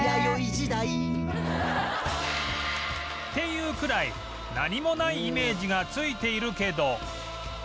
っていうくらい何もないイメージがついているけど